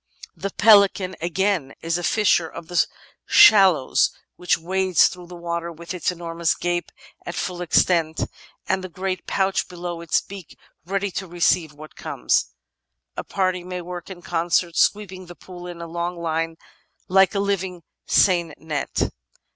The Pelican, again, is a fisher of the shallows which wades through the water with its enormous gape at full extent, and the great pouch below its beak ready to receive what comes. A party may work in concert, sweeping the pool in a long line like a living seine net.